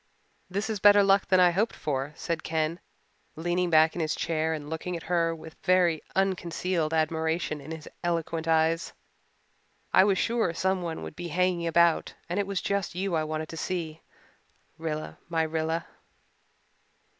"This is better luck than I hoped for," said Ken, leaning back in his chair and looking at her with very unconcealed admiration in his eloquent eyes. "I was sure someone would be hanging about and it was just you I wanted to see, Rilla my Rilla."